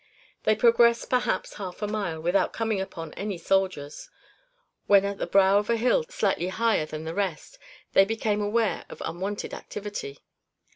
They progressed perhaps half a mile, without coming upon any soldiers, when at the brow of a hill slightly higher than the rest, they became aware of unwonted activity.